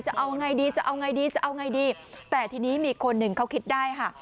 จะเอายังไงดีจะเอาไงดีจะเอาไงดีแต่ทีนี้มีคนหนึ่งเขาคิดได้ค่ะ